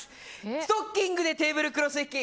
ストッキングでテーブルクロス引き。